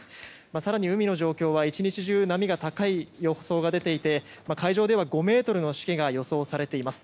更に海の状況は１日中波が高い予想が出ていて海上では５ｍのしけが予想されています。